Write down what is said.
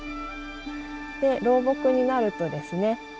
老木になるとですね